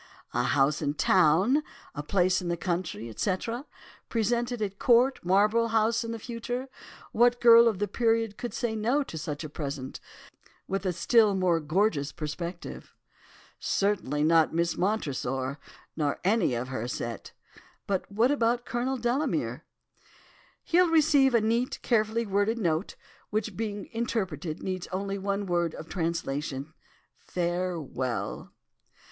"'A house in town—a place in the country, etc., presented at Court, Marlborough House in the future—what girl of the period could say no to such a present—with a still more gorgeous perspective?' "'Certainly not Miss Montresor, nor any of her set. But what about Colonel Delamere?' "'He'll receive a neat, carefully worded note, which being interpreted, needs only one word of translation, "farewell."